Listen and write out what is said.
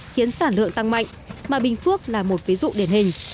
khiến sản lượng tăng mạnh mà bình phước là một ví dụ điển hình